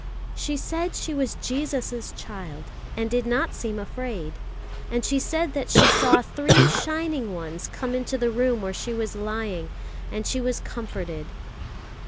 "She said she was Jesus' child, and did not seem afraid. And she said that she saw three Shining Ones come into the room where she was lying, and she was comforted."